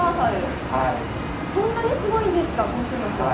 そんなにすごいんですか、今週末は。